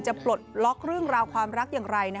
ปลดล็อกเรื่องราวความรักอย่างไร